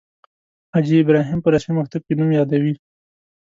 حاجي ابراهیم په رسمي مکتوب کې نوم یادوي.